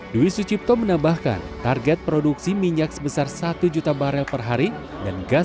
dwi sucipto menambahkan target produksi minyak sebesar satu juta barel per hari dan gas